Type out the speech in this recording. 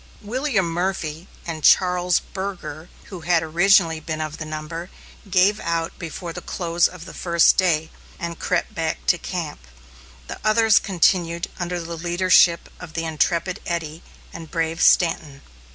William Murphy and Charles Burger, who had originally been of the number, gave out before the close of the first day, and crept back to camp. The others continued under the leadership of the intrepid Eddy and brave Stanton.